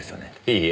いいえ。